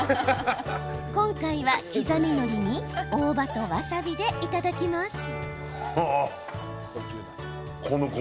今回は刻みのりに大葉とわさびでいただきます。